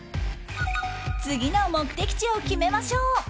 次の目的地を決めましょう。